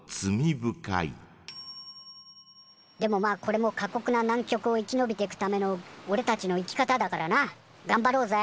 でもまあこれも過こくな南極を生き延びてくためのおれたちの生き方だからながんばろうぜ！